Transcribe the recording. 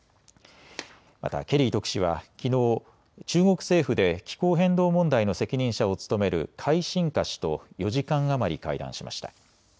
またケリー特使はきのう、中国政府で気候変動問題の責任者を務める解振華氏と４時間余り会談しました。